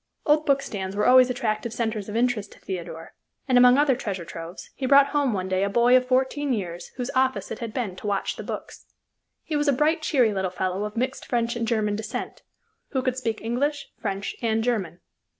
Old bookstands were always attractive centers of interest to Theodore, and, among other treasure troves, he brought home one day a boy of fourteen years, whose office it had been to watch the books. He was a bright, cheery little fellow of mixed French and German descent, who could speak English, French, and German.